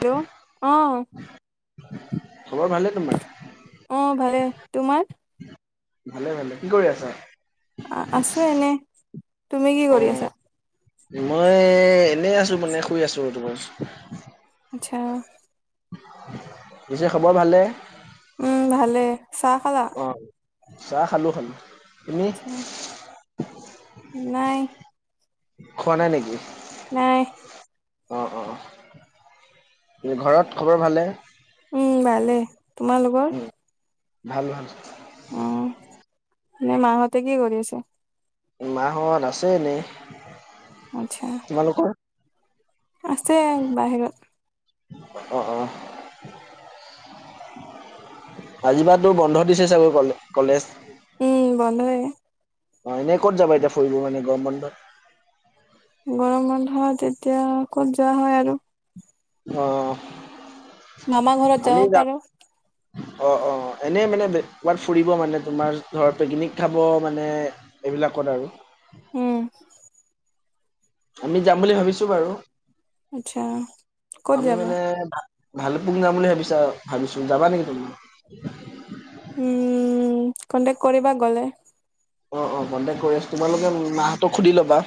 Hello অ খবৰ ভালে তোমাৰ? অ ভালে তোমাৰ ভালে ভালে কি কৰি আছা? আছো এনে তুমি কি কৰি অ', আছা? মই এনেই আছো মানে শুই আছো আৰু তোমাৰ। আচ্ছা। পিছে খবৰ ভালে? উম ভালে চাহ, খালা। অ', চাহ, খালোঁ খালোঁ। আ নাই খোৱা নাই নেকি? নাই। অ অ অ। ঘৰত খবৰ ভানে! উম ভালে। তোমালোকৰ? উম। ভাল ভাল। উম। এনে মাহঁতে কি কৰি আছে? মাঁহত, আছে এনে। আচ্ছা। তোমালোকৰ? আছে আৰু বাহিৰত। অ অ অ। আজিৰপৰাটো বন্ধ দিছে চাগৈ কলে কলেজ উম বন্ধয়ে। অ এনে ক'ত যাবা এতিয়া ফুৰিব হয়নে গৰম বন্ধত? গৰম, বন্ধত এতিয়া ক'ত যোৱা হয় আৰু। অ, মামা ঘৰত যাব আমি যাম। পাৰো অ অ। এনেই মানে বে ক'ৰবাত ফুৰিব মানে তোমাৰ ধৰ পিকনিক, খাব মানে এইবিলাকত আৰু। উম আমি যাম বুলি ভাবিছোঁ বাৰু। আচ্ছা ক'ত আমি যাবা মানে ভালেপুংগ্ৰামলে, বিছা ভাবিছো যাবা নেকি তুমি? উম কণ্টেক্ট কৰিবা গ'লে। অ, অ। কণ্টেক্ট কৰি আছো, তোমালোকে মাঁহতক সুধি ল'বা।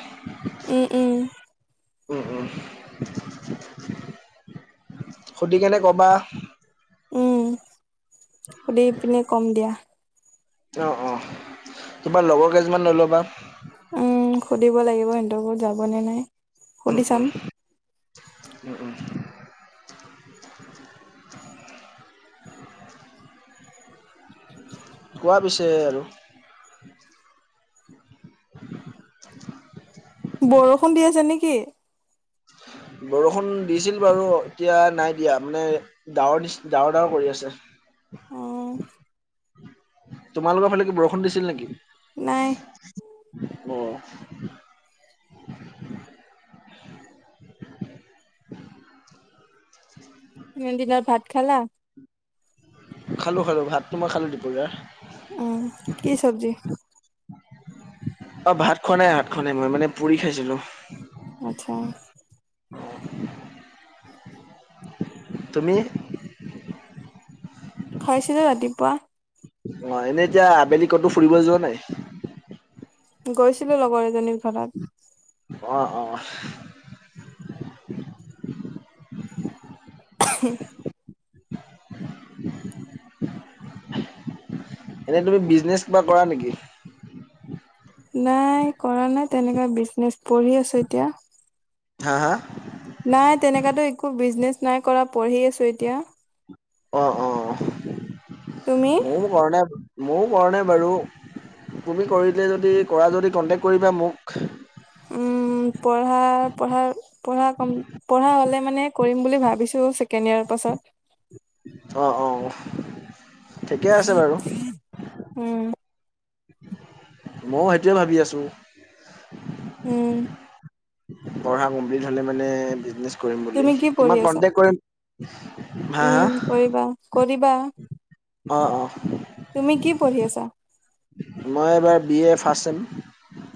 উম, উম। উম, উম। সুধিকেনে ক'বা। উম সুধি পিনে কম দিয়া। অ' অ' তোমাৰ লগৰ কেইজনীমান লৈ ল'বা। উম, সুধিব লাগিব সিহঁতকো যাবনে নাই। উম, সুধি চাম উম উম উম। [inaudible] কোৱা পিছে আৰু। [inaudible] বৰষুণ দি আছে নেকি? বৰষুণ দিছিল বাৰু, এতিয়া নাই দিয়া। মানে, ডাৱৰ দিছ ডাৱৰ ডাৱৰ কৰি উম আছে। তোমালোকৰ ফালে কি বৰষুণ দিছিল নেকি? নাই অ'। [inaudible] তুমি দিনত ভাত খালা? খালোঁ খালোঁ, ভাতটো মই খালো দুপৰীয়া। অ' কি চবজি? অ' ভাত খোৱা নাই, ভাত খোৱা নাই মই, মানে পুৰি খাইছিলো। আটচ্ছা। তুমি? খাইছিলো ৰাতিপুৱা। অ' এনে এতিয়া আবেলি ক'তো ফুৰিব যোৱা নাই? গৈছিলো লগৰ এজনীৰ ঘৰত। অ' অ'। [inaudible] [inaudible] এনেই তুমি বিজনেছ কিবা কৰা নেকি? নাই কৰা নাই, তেনেকা বিজনেছ পঢ়ি আছো এতিয়া। হা হা? নাই তেনেকাতো একো বিজনেছ নাই কৰা, পঢ়ি আছো এতিয়া। অঁ অঁ। তুমি? তুমি কাৰা নাই, মইও কৰা নাই বাৰু। তুমি কৰিলে যদি কৰা যদি কণ্টেক্ট কৰিবা মোক। উম, পঢ়া পঢ়া পঢ়া কম পঢ়া হ'লে মানে কৰিম বুলি ভাবিছো, ছেকেণ্ড ইয়েৰ পাছত। অ' অ' ঠিকে আছে বাৰু। উম। মও সেইটোৱে ভাবি আছো। উম। পঢ়া কমপ্লিট হ'লে মানে বিজনেছ কৰিম বুলি, তুমি কি পঢ়ি তোমাক আছা কন্তেক কৰিম। হা হা? উম কৰিবা কৰিবা। অ' অ' তুমি কি পঢ়ি আছা মই এবাৰ বি এ ফাছ চেম।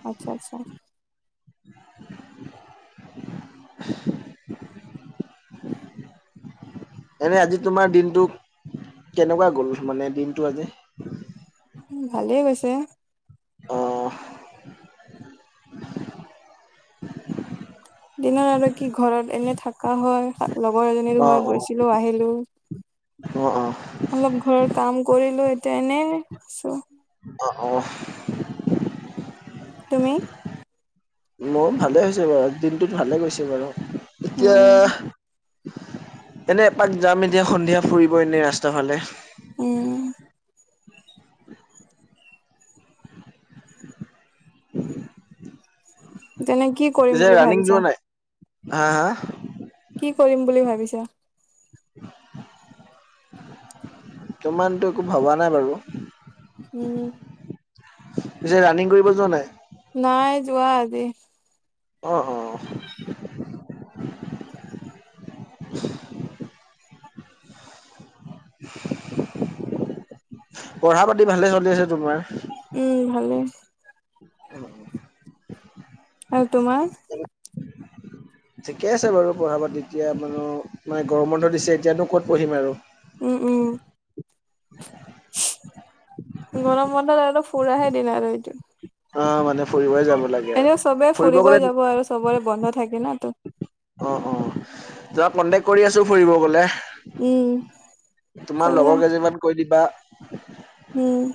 আটচ্ছা আটচ্ছা। [inaudible] [inaudible] এনেই আজি তোমাৰ দিনটো, কেনেকুৱা গ'ল মানে দিনটো আজি? উম' ভালেই গৈছে। অঁহ' দিনত আৰু কি ঘৰত এনেই থাকা হয়। লগৰ এজনীৰ অ', ঘৰত অ', গৈছিলো, আহিলো। অ', অ', অলপ ঘৰৰ কাম কৰিলো এতিয়া এনেই আছো। অঁ' অঁ' তুমি? মও ভালে হৈছে বাৰু, দিনটোত ভালে গৈছে বাৰু। উম উম এতিয়া- তেনে এপাক যাম এতিয়া সন্ধিয়া ফুৰিব এনেই ৰাস্তাৰ ফালে। উম' তেনে কি কৰিম পিছে বুলি ৰাণিং ভাবিছা যোৱা নাই? হাঁ হাঁ! কি কৰিম বুলি ভাবিছা? বতমানতো একো ভবা নাই বাৰু। উম উম' পিছে ৰাণিং কৰিব যোৱা নাই? নাই যোৱা আজি। অঁ' অঁ' পঢ়া পাতি ভালে চলি আছে তোমাৰ। উম' ভালে। অ অ' আৰু তোমাৰ? ঠিকে আছে বাৰু পঢ়া পাতি, তেতিয়া মানে মানে গৰম বন্ধ দিছে এতিয়ানো ক'ত পঢ়িম আৰু। উম' উম' গৰম বন্ধত আৰু ফুৰাহে দিন আৰু এইটো। অঁ' মানে ফুৰিবই যাব- লাগে আৰু এনেও চবেই ফুৰিব গ'লে ফুৰিবই যাব আৰু চবৰে বন্ধ থাকে ন তো- অঁ' অ‍ঁ' যোৱা কণ্টেক কৰি আছো ফুৰিব গলে। উম তোমাৰ কৰিবা লগৰ কেইজনীমান কৈ দিবা। উম'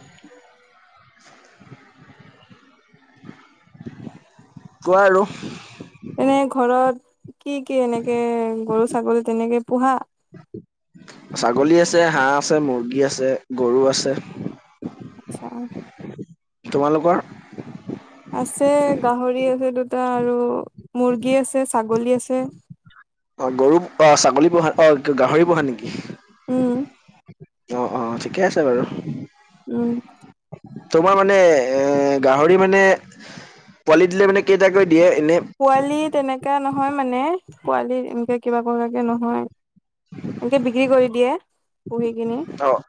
[inaudible] [inaudible] কোৱা আৰু। তেনে ঘৰত কি কি এনেকে গৰু, ছাগলী তেনেকে পোহা। ছাগলী আছে, হাঁহ আছে, মুৰ্গী আছে, গৰু আছে। আৎচ্ছা। তোমালোকৰ? আছে গাহৰি আছে দুটা আৰু মুৰ্গী আছে, ছাগলী আছে। অ' গৰু আহ ছাগলী পোহা অ গাহৰি পোহা নেকি? উম, অ' অ' ঠিকে আছে বাৰু। উম' তোমাৰ মানে এ গাহৰি মানে পোৱালি দিলে মানে কেইটাকৈ দিয়ে এনেই। পোৱালি তেনেকা নহয় মানে। পোৱালি এনেকে কিবা কৰিবাকে নহয়। এনেকে বিক্ৰী কৰি দিয়ে। পুহি কিনি। অ'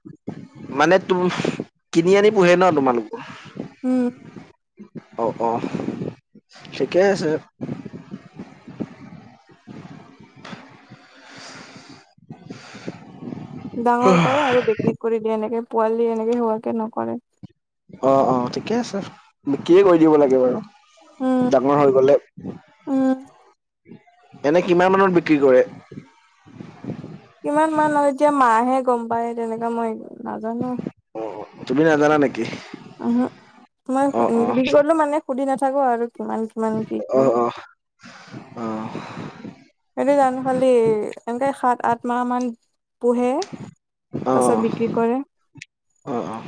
মানে তুম কিনি আনি পোহে ন তোমালোকৰ? উম্। অ' অ' ঠিকে আছে। ডাঙৰ কৰে আৰু বিক্ৰী কৰি দিয়ে, এনেকে পোৱালি এনেকে হোৱাকে নকৰে। অ' অ' ঠিকে আছে বিক্ৰীয়ে কৰি দিব লাগে উম, বাৰু। ডাঙৰ হৈ গ'লে। উম, এনেই কিমান মানত বিক্ৰী কৰে? কিমান মান লয় এতিয়া মাইহে গম পায় তেনেকুৱা মই নাজানো। অ' তুমি নাজানা নেকি? উহ। মই অ অ বিক্ৰী কৰিলেও মানে সুধি নাথাকো আৰু কিমান কিমান কি কি? আহ। সেইটো জানো খালি এনেকে সাত, আঠ মাহ মান পোহে অ তাৰ পিছত বিক্ৰী কৰে। অ' অ'।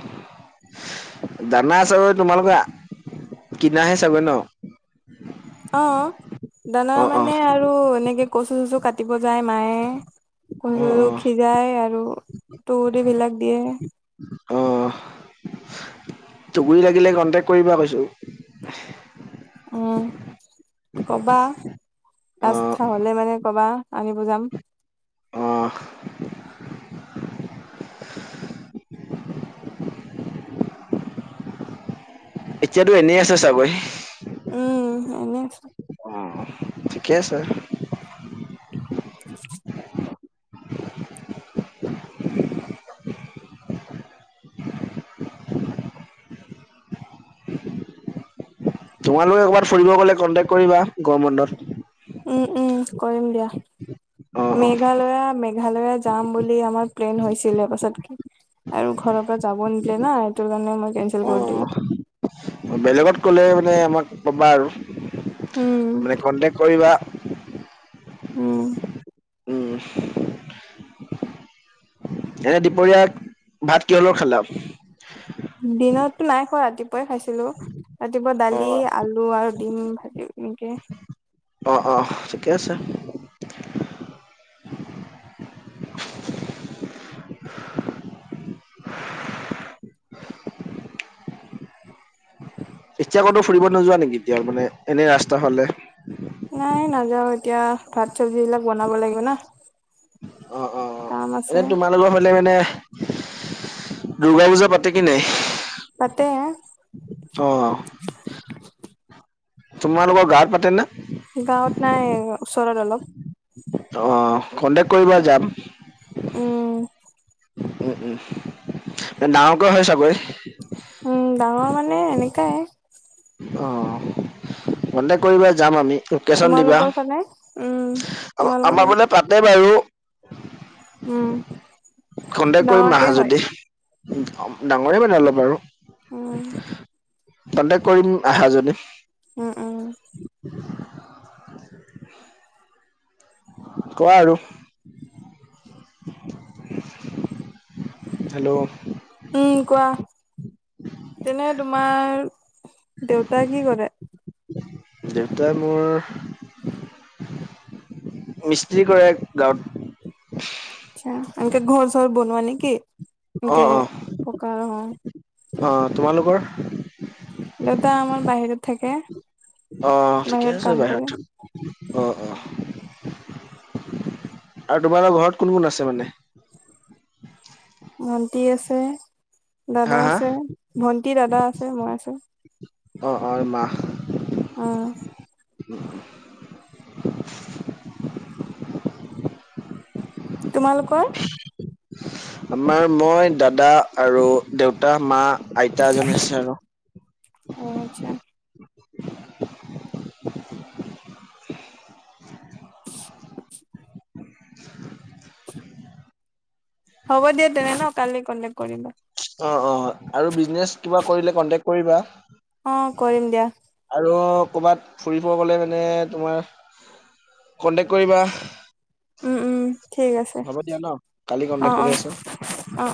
দানা চাগৈ তোমালোকৰ কিনাহে চাগৈ ন? অ' দানা অ অ মানে আৰু এনেকে কচু -চচু কাটিব যায় মাইয়ে অ কচু অ সিজাই আৰু তুহ [unintelligible] বিলাক দিয়ে। অ' তুহ গুৰি লাগিলে কন্টেক কৰিবা কৈছো। উম্ কবা অ ৰাস্তা হ'লে মানে কবা আনিব যাম। অহ্। এতিয়াতো এনেই আছে চাগৈ? উম্ এনেই আছো। অ' [unintelligible] [unintelligible] [unintelligible] তোমালোক একবাৰ ফুৰিব গ'লে কন্টেক কৰিবা গৰম বন্ধত। উম উম কৰিম দিয়া। অ অ মেঘালয়া ম মেঘালয়া যাম বুলি আমাৰ প্লেন হৈছিল, তাৰ পাছত কি আৰু ঘৰ যাব নিদিলে না সেইটো কাৰণে মই কৰি দিলো অ' বেলেগত কলে মানে আমাক পাবা আৰু। উম মানে কন্টেক কৰিবা। উম্। উম এনে দুপৰীয়া ভাত কিহৰ লগত খালা? দিনত নাই খোৱা। ৰাতিপুৱাই খাইছিলো ৰাতিপুৱা অ দালি, আলু আৰু দিম, ভালি এনেকে। অঁ অঁ ঠিকে আছে- এতিয়া আকৌতো ফুৰিব নোযোৱা নেকি এতিয়া মানে এনে ৰাস্তা ফালে- নাই নাযাওঁ এতিয়া ভাত চব্জ বিলাক বনাব লাগিব না- অ অ অ কাম আছে এনে তোমালোকৰ ফালে মানে- দুৰ্গা পূজা পাতি কিনে পতে- অ তোমালোকৰ গাৱঁত পাতে না- গাঁৱত নাই ওচৰত অলপ- অ কণ্টেকট কৰিব যাম- উম। উম, উম, ডাঙৰকৈ হয় চাগৈ। উম, ডাঙৰ মানে এনকাৱাই। অ', কণ্টেক কৰিব বা, যাম আমি। লোকেশ্যন দিবা, তোমালোকৰ ফালে উম অ, তোমালোকৰ আমাৰ পিনে ফালে পাতে বাৰু। উম। খন্তেক কৰিম ডাঙৰকে আহা হয় যদি, ডাঙৰে পাতে অলপ বাৰু। উম কন্তেক কৰিম আহা যদি। উম উম কোৱা আৰু। হেল্ল'। উম, কোৱা, তেনে তোমাৰ দেউতাই কি কৰে? দেউতাই মোৰ মিস্ত্ৰ্ৰী কৰে গাঁৱত। আটছা, এনকে ঘৰ চৰ বনোৱাা নেকি? এনকে অ', অ', পকা অ। অ, তোমালোকৰ? দেউতা আমাৰ বাহিৰত থাকে। অ', থিকে আছে কাম কৰে বাহিৰত থা অ', অ', আৰু তোমালোকৰ ঘৰত কোন কোন আছে মানে? ভণ্টি আছে, হা, দাদা হা? আছে, ভন্টি দাদা আছে, মই আছো। অ', অ', মাহ। অ। [inaudible] তোমালোকৰ? আমাৰ মই, দাদা আৰু দেউতা, মা আইতা এজনী আছে আৰু। অ, আটচ্ছা। [inaudible] হ'ব দিয়া তেনে ন কালি কন্টেক কৰিম। অ, অ, আৰু বিজনেচ কিবা কৰিলে কন্টেক কৰিবা। অ, কৰিম দিয়া। আৰু ক'ৰবাত ফুৰিব গ'লে মানে তোমাৰ, কণ্টেক কৰিবা। উম, উম, ঠিক আছে, হ'ব দিয়া ন' কালি অ, কন্টেক্ট কৰি আছোঁ। অ।